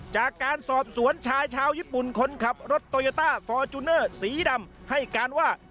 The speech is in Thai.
จากการสอบสวนชายชาวญี่ปุ่นคนขับรถโตโยต้าฟอร์จูเนอร์สีดำให้การว่า